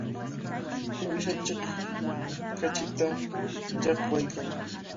Uyshanchik kachita llaqwaykan.